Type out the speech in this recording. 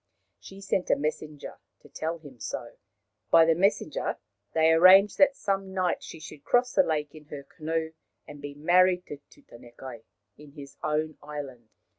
She sent a messenger to tell him so. By the messenger they arranged that some night she should cross the lake in her canoe and be married to Tutanekai in his own island.